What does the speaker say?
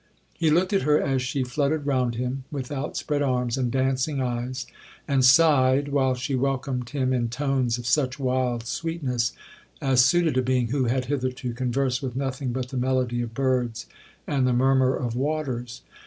He looked at her as she fluttered round him with outspread arms and dancing eyes; and sighed, while she welcomed him in tones of such wild sweetness, as suited a being who had hitherto conversed with nothing but the melody of birds and the murmur of waters.